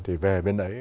thì về bên đấy